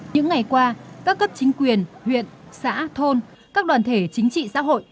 những ngày qua các cấp chính quyền huyện xã thôn các đoàn thể chính trị xã hội